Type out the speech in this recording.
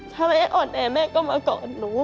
ถ้าแม่อ่อนแอแม่ก็มากอดหนู